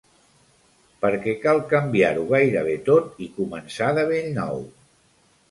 Perquè cal canviar-ho gairebé tot i començar de bell nou.